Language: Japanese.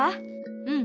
うん。